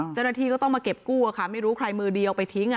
เจ้าหน้าที่ก็ต้องมาเก็บกู้อะค่ะไม่รู้ใครมือเดียวไปทิ้ง